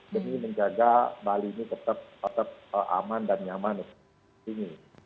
demi menjaga bali ini tetap aman dan nyaman